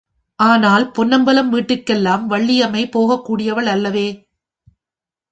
ஆனால், பொன்னம்பலம் வீட்டிற்கெல்லாம் வள்ளியம்மை போகக் கூடியவள் அல்லவே!